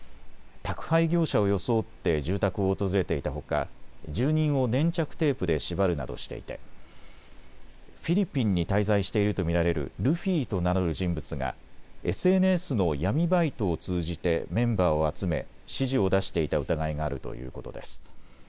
宅配業者を装って住宅を訪れていたほか、住人を粘着テープで縛るなどしていてフィリピンに滞在していると見られるルフィと名乗る人物がＳＮＳの闇バイトを通じてメンバーを集め、指示を出していた疑いがあるということです。